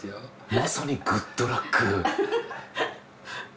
まさにグッドラック。